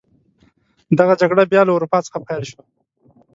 دغه جګړه بیا له اروپا څخه پیل شوه.